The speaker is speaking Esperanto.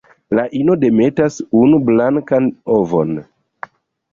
La ino demetas unu blankan ovon.